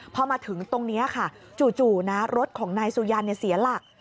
พอมาถึงตรงนี้ค่ะจู่นะรถของนายสุยันเสียหลัก